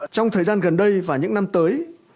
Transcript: trong thời gian gần đây và những năm tới